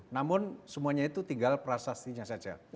namun semuanya itu tinggal prasastinya saja